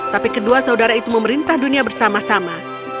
tapi kedua saudara itu memerintah dunia bersama sama